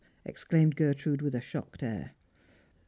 exclaimed Gertrude with a shocked air.